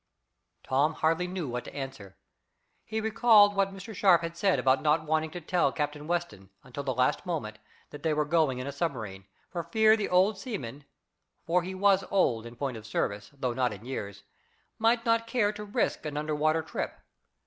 Tom hardly knew what to answer. He recalled what Mr. Sharp had said about not wanting to tell Captain Weston, until the last moment, that they were going in a submarine, for fear the old seaman (for he was old in point of service though not in years) might not care to risk an under water trip.